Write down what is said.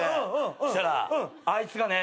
したらあいつがね。